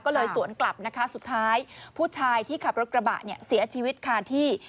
ก็เลยสวนกลับนะคะสุดท้ายผู้ชายที่ขับรถกระบะเนี่ยเสียชีวิตค่ะที่